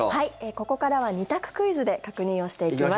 ここからは２択クイズで確認をしていきます。